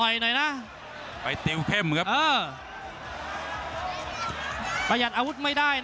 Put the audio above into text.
ยกที่๔